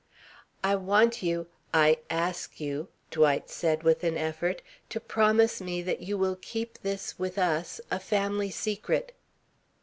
"I want you I ask you," Dwight said with an effort, "to promise me that you will keep this, with us a family secret."